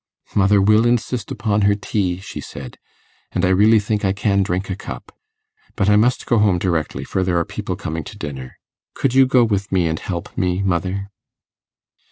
'Mother will insist upon her tea,' she said, 'and I really think I can drink a cup. But I must go home directly, for there are people coming to dinner. Could you go with me and help me, mother?